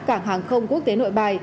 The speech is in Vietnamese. cảng hàng không quốc tế nội bài